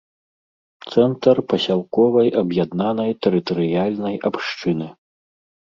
Цэнтр пасялковай аб'яднанай тэрытарыяльнай абшчыны.